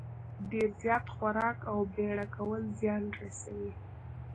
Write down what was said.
ډېر زیات خوراک او بېړه کول زیان رسوي.